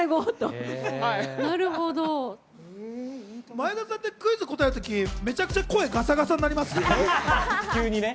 前田さんって、クイズ答えるとき、めちゃめちゃ声がガサガサになりますね。